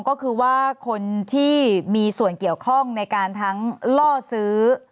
ก็คือว่าคนที่มีส่วนเกี่ยวข้องในการทั้งล่อซื้อ